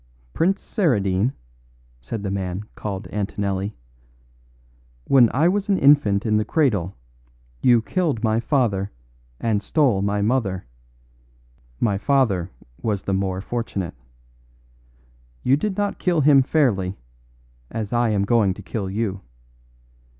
"Prince Saradine," said the man called Antonelli, "when I was an infant in the cradle you killed my father and stole my mother; my father was the more fortunate. You did not kill him fairly, as I am going to kill you.